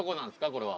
これは。